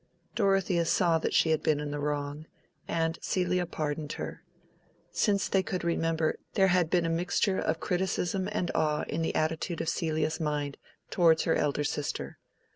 Dorothea saw that she had been in the wrong, and Celia pardoned her. Since they could remember, there had been a mixture of criticism and awe in the attitude of Celia's mind towards her elder sister.